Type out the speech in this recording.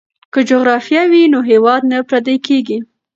که جغرافیه وي نو هیواد نه پردی کیږي.